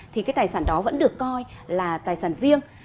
thì cái tài sản đó vẫn được coi là tài sản riêng